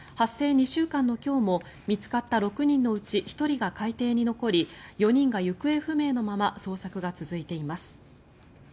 ２週間の今日も見つかった６人のうち１人が海底に残り４人が行方不明のまま捜索が続いています。